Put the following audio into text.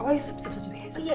oh iya sup sup sup